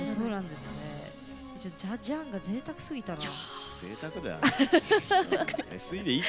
「ジャジャン！」がぜいたくすぎたな。